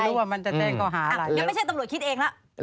ไม่รู้ว่ามันจะแจ้งเขาหาอะไร